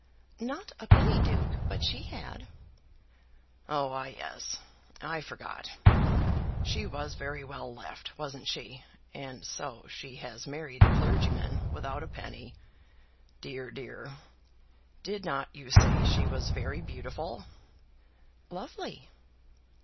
"Not a penny, duke; but she had." "Oh, ah, yes. I forgot. She was very well left; wasn't she? And so she has married a clergyman without a penny. Dear, dear! Did not you say she was very beautiful?" "Lovely!"